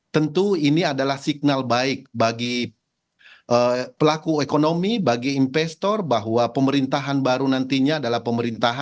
tentu ini adalah signal baik bagi pelaku ekonomi bagi investor bahwa pemerintahan baru nantinya adalah pemerintahan